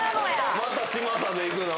また嶋佐でいくの？